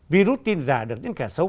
virus tin giả được những kẻ sâu